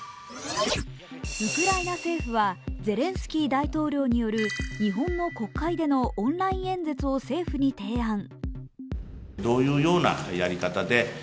ウクライナ政府はゼレンスキー大統領による日本の国会でのオンライン演説を政府に提案。